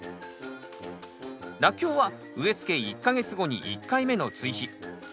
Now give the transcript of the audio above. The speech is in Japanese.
ラッキョウは植え付け１か月後に１回目の追肥。